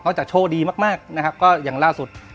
จากโชคดีมากนะครับก็อย่างล่าสุด